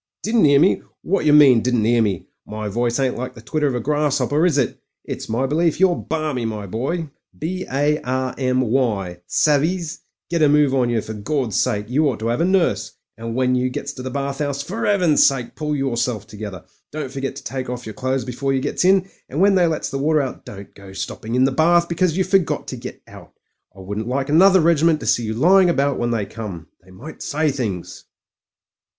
"Didn't 'ear me! Wot yer mean, didn't 'ear me? My voice ain't like the twitter of a grass'opper, is it? It's my belief you're balmy, my boy, B A R M Y. Savez. Get a move on yer, for Gawd's sake! You ought to 'ave a nurse. And when you gets <v) the bath 'ouse, for 'Eaven's sake pull yerself together! Don't forget to take off yer clothes before yer gets in ; and when they lets the water out, don't go stopping in the bath because you forgot to get out. I wouldn't like another regiment to see you lying about when they come. They might say things."